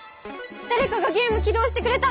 だれかがゲーム起動してくれた！